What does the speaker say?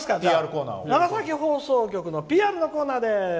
長崎放送局のＰＲのコーナーです